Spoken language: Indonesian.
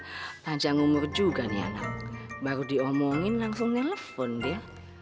panjang umur juga nih anak baru diomongin langsung nelfon dia